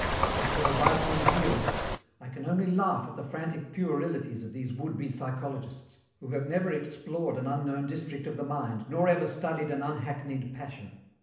As for the right wing verists, I can only laugh at the frantic puerilities of these would be psychologists, who have never explored an unknown district of the mind nor ever studied an unhackneyed passion.